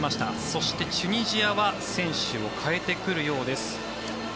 そして、チュニジアは選手を代えてくるようです。